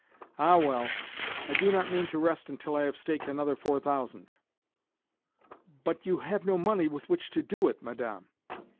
"Ah well, I do not mean to rest until I have staked another four thousand." "But you have no money with which to do it, Madame.